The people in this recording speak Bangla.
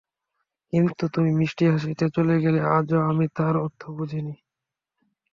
কিন্তু তুমি মিষ্টি হাসিতে চলে গেলে আজও আমি তার অর্থ বুঝিনি।